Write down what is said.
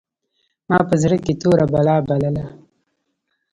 ما په زړه کښې توره بلا بلله.